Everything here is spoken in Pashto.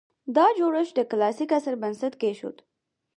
دا جوړښت د کلاسیک عصر بنسټ کېښود